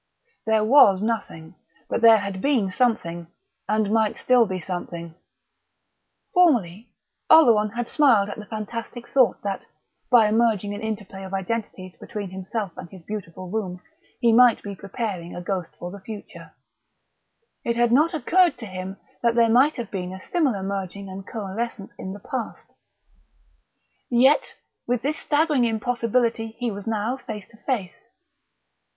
There was nothing; but there had been something, and might still be something. Formerly, Oleron had smiled at the fantastic thought that, by a merging and interplay of identities between himself and his beautiful room, he might be preparing a ghost for the future; it had not occurred to him that there might have been a similar merging and coalescence in the past. Yet with this staggering impossibility he was now face to face.